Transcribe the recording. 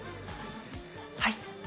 「はい」。